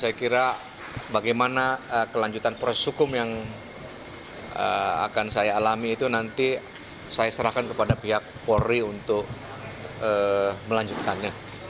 saya kira bagaimana kelanjutan proses hukum yang akan saya alami itu nanti saya serahkan kepada pihak polri untuk melanjutkannya